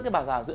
cái bà già giữa